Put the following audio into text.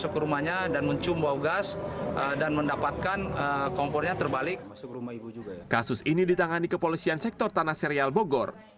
kasus ini ditangani kepolisian sektor tanah serial bogor